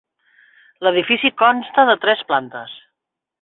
L'edifici consta de tres plantes.